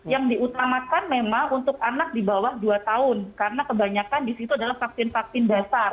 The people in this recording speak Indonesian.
yang diutamakan memang untuk anak di bawah dua tahun karena kebanyakan di situ adalah vaksin vaksin dasar